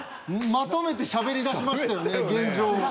まとめてしゃべりだしましたよね現状を。